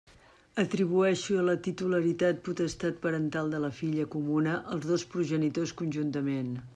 Atribueixo la titularitat potestat parental de la filla comuna als dos progenitors conjuntament.